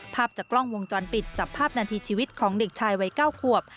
ภาพจากกล้องวงจรปิดจับภาพนาทีชีวิตของเด็กชายวัย๙ขวบ